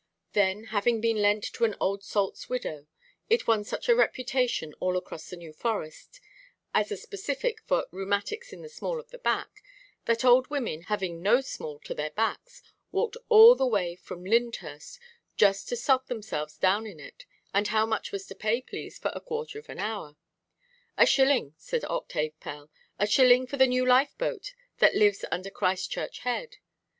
Then, having been lent to an old saltʼs widow, it won such a reputation, all across the New Forest, as a specific for "rheumatics in the small of the back," that old women, having no small to their backs, walked all the way from Lyndhurst, "just to sot themselves down in it, and how much was to pay, please, for a quarter of an hour?" "A shilling," said Octave Pell, "a shilling for the new lifeboat that lives under Christchurch Head."